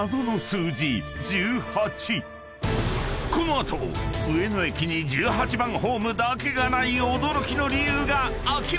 ［この後上野駅に１８番ホームだけがない驚きの理由が明らかに！］